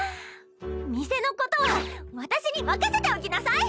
店のことは私に任せておきなさい！